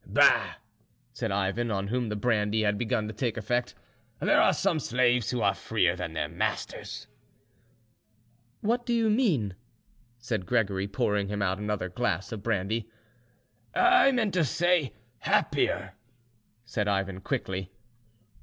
"Bah!" said Ivan, on whom the brandy had begun to take effect, "there are some slaves who are freer than their masters." "What do you mean?" said Gregory, pouring him out another glass of brandy. "I meant to say happier," said Ivan quickly.